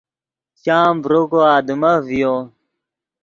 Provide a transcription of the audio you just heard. چام ڤرو کو آدمف ڤیو